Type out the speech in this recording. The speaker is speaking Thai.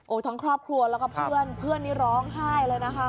ทั้งครอบครัวแล้วก็เพื่อนเพื่อนนี้ร้องไห้เลยนะคะ